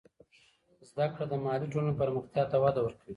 زده کړه د محلي ټولنو پرمختیا ته وده ورکوي.